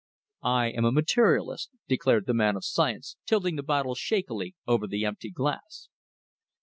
..." "I am a materialist," declared the man of science, tilting the bottle shakily over the emptied glass.